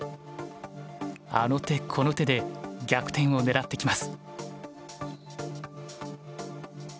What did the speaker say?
あの手この手で逆転を狙ってきます。